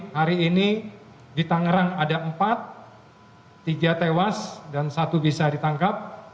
hari ini di tangerang ada empat tiga tewas dan satu bisa ditangkap